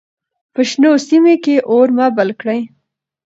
په شنو سیمو کې اور مه بل کړئ.